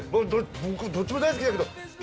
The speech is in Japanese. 僕どっちも大好きだけど。